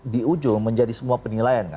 di ujung menjadi semua penilaian